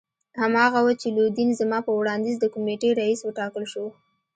هماغه وو چې لودین زما په وړاندیز د کمېټې رییس وټاکل شو.